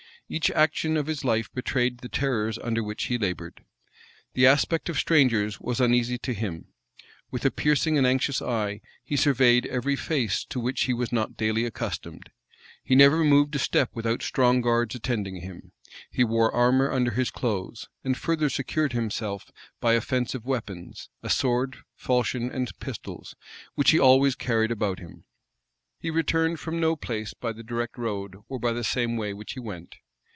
Each action of his life betrayed the terrors under which he labored. The aspect of strangers was uneasy to him: with a piercing and anxious eye he surveyed every face to which he was not daily accustomed. He never moved a step without strong guards attending him: he wore armor under his clothes, and further secured himself by offensive weapons, a sword, falchion, and pistols, which he always carried about him. He returned from no place by the direct road, or by the same way which he went.